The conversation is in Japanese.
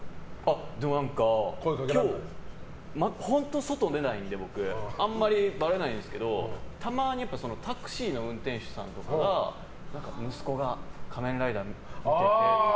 でも本当、外出ないので、僕あんまりバレないんですけどたまにタクシーの運転手さんとかが息子が「仮面ライダー」見てて。